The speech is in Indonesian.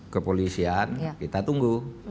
kepolisian kita tunggu